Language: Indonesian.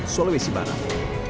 soleh besi banang